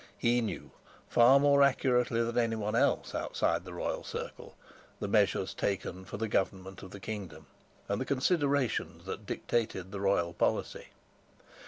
He knew, far more accurately than anyone else outside the royal circle, the measures taken for the government of the kingdom and the considerations that dictated the royal policy.